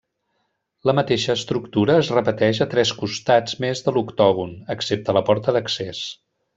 La mateixa estructura es repeteix a tres costats més de l'octògon, excepte la porta d'accés.